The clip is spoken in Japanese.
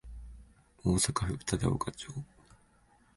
大阪府忠岡町